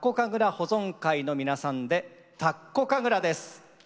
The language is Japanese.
保存会の皆さんで「田子神楽」です。